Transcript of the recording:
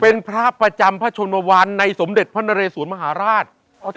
เป็นพระประจำพระชนวรรณในสมเด็จพระนเรสวนมหาราช